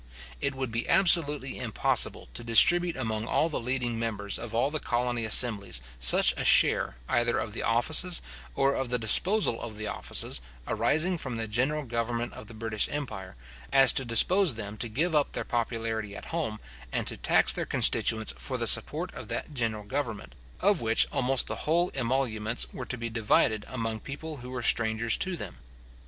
It would be absolutely impossible to distribute among all the leading members of all the colony assemblies such a share, either of the offices, or of the disposal of the offices, arising from the general government of the British empire, as to dispose them to give up their popularity at home, and to tax their constituents for the support of that general government, of which almost the whole emoluments were to be divided among people who were strangers to them.